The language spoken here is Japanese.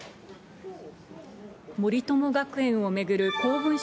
森友学園を巡る公文書